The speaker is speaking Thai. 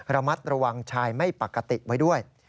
ระมัดระวังชายไม่ปกติไว้ด้วย